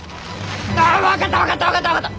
ああ分かった分かった分かった分かった！